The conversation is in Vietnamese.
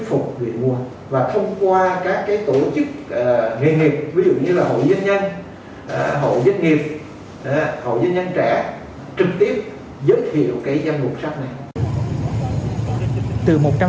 giới thiệu cái danh luật sách này